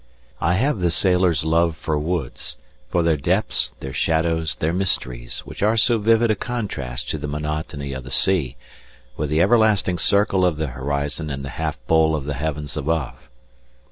I have the sailor's love for woods, for their depths, their shadows, their mysteries, which are so vivid a contrast to the monotony of the sea, with the everlasting circle of the horizon and the half bowl of the heavens above.